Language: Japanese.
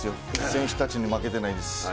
選手たちに負けてないです。